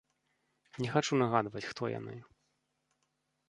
Не хачу нагадваць, хто яны.